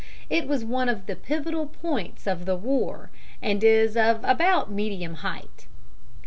It was one of the pivotal points of the war, and is of about medium height.